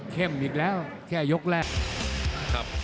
เข้มอีกแล้วแค่ยกแรก